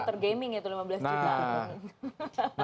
terus tidak bisa komputer gaming itu rp lima belas juta